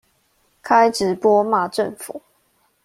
開直播罵政府